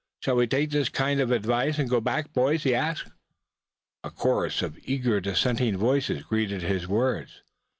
"Shall we take this kind advice, and go back, boys?" he asked. A chorus of eager dissenting voices greeted his words.